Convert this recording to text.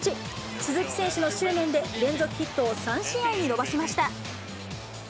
鈴木選手の執念で、連続ヒットを３試合に伸ばしました。